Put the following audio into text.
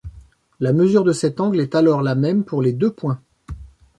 La mesure de cet angle est alors la même pour les deux points.